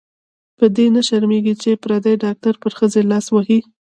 په دې نه شرمېږې چې پردې ډاکټر پر ښځې لاس وهي.